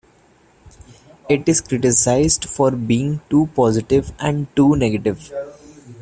It is criticized for being "too positive" and "too negative".